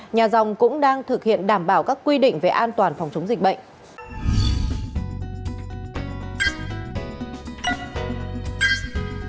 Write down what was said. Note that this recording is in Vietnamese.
nhà dòng cũng đang thực hiện đảm bảo các quy định về an toàn phòng chống dịch bệnh